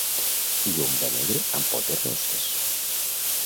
I un be negre amb potes rosses